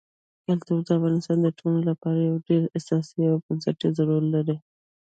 کلتور د افغانستان د ټولنې لپاره یو ډېر اساسي او بنسټيز رول لري.